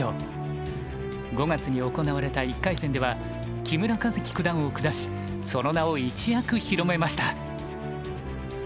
５月に行われた１回戦では木村一基九段を下しその名を一躍広めました。